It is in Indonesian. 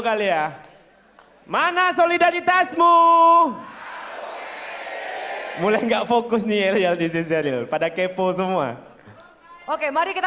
kali ya mana solidaritasmu mulai enggak fokus nih real diseaserial pada kepo semua oke mari kita